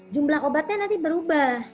jumlah obatnya nanti berubah